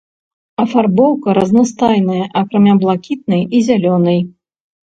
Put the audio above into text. Афарбоўка разнастайная, акрамя блакітнай і зялёнай.